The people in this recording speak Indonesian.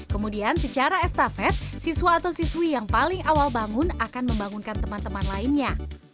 kemudian secara estafet siswa atau siswi yang paling awal bangun akan membangunkan teman teman lainnya